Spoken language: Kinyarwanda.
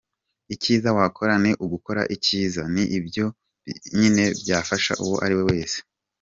Icyiza wakora ni ugukora icyiza, ni byo byo nyine byafasha uwo ariwe wese.